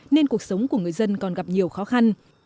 nên cuộc sống của người dân còn gặp nhiều khó khăn